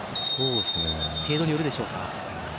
程度によるでしょうか。